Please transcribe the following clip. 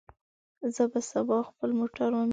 زه به سبا خپل موټر ومینځم.